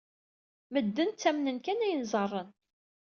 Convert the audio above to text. Medden ttamnen kan ayen ẓerren.